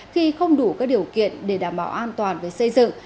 khi không đủ các điều kiện để đảm bảo an toàn về xây dựng